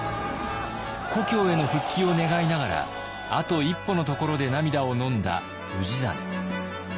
故郷への復帰を願いながらあと一歩のところで涙をのんだ氏真。